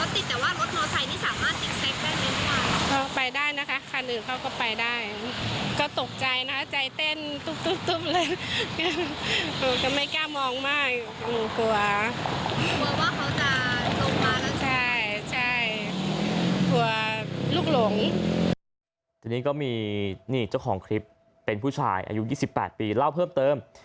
ทีนี้ก็มีนี่เจ้าของคลิปเป็นผู้ชายอายุ๒๘ปีเล่าเพิ่มเติม